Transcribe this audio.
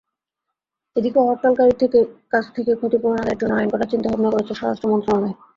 এদিকে হরতালকারীদের কাছ থেকে ক্ষতিপূরণ আদায়ের জন্য আইন করার চিন্তাভাবনা করছে স্বরাষ্ট্র মন্ত্রণালয়।